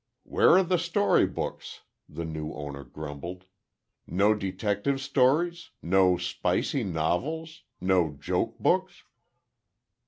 "Where are the story books?" the new owner grumbled. "No detective stories? No spicy novels? No joke books?"